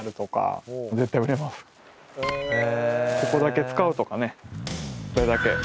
ここだけ使うとかねこれだけ。